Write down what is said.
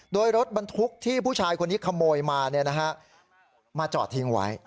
โดยรถบรรทุกที่ผู้ชายคนนี้ขโมยมามาจอดทิ้งไว้